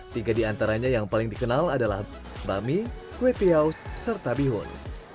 tiga diantaranya yang paling dikenal adalah bami kue tiaw serta bihun